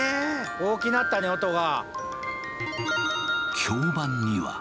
大きなったね音が。